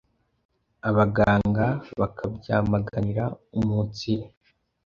abaganga bakabyamaganira umunsire